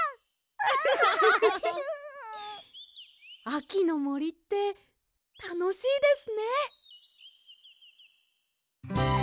あきのもりってたのしいですね。